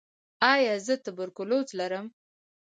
ایا زه تبرکلوز لرم؟